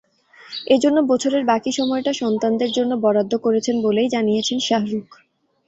এজন্য বছরের বাকি সময়টা সন্তানদের জন্য বরাদ্দ করেছেন বলেই জানিয়েছেন শাহরুখ।